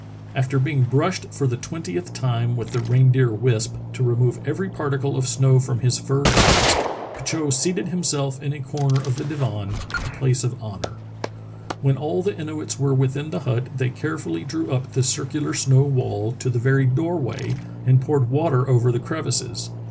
After being brushed for the twentieth time with the reindeer wisp, to remove every particle of snow from his fur garments, Petitot seated himself in a corner of the divan, a place of honor. When all the Inuits were within the hut they carefully drew up the circular snow wall to the very door way and poured water over the crevices.